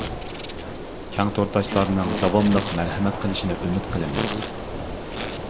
كەڭ تورداشلارنىڭ داۋاملىق مەرھەمەت قىلىشىنى ئۈمىد قىلىمىز!